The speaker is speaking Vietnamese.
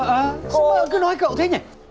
sao mỡ cứ nói cậu thế nhỉ